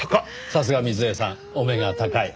さすが瑞枝さんお目が高い。